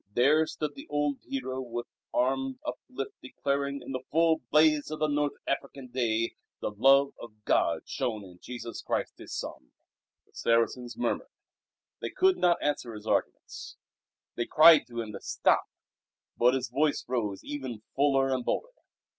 There stood the old hero with arm uplifted declaring, in the full blaze of the North African day, the Love of God shown in Jesus Christ His Son. The Saracens murmured. They could not answer his arguments. They cried to him to stop, but his voice rose ever fuller and bolder.